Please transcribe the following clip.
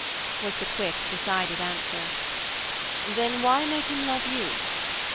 was the quick, decided answer. "Then why make him love you?"